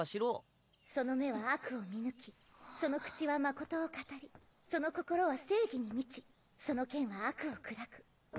「その眼は悪を見抜きその口は真を語り・その心は正義に満ちその剣は悪を砕く」。